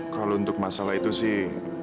kalau untuk masalah itu sih